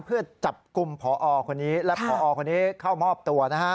เพื่อจับกุมป่อคนนี้และผมเข้ามอบตัว